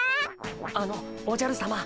あのおじゃるさま！